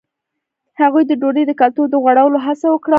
هغوی د ډوډۍ د کلتور د غوړولو هڅه وکړه.